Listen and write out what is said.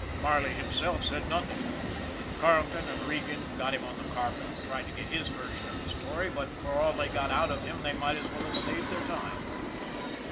Marley himself said nothing. Carleton and Regan got him on the carpet and tried to get his version of the story, but for all they got out of him they might as well have saved their time.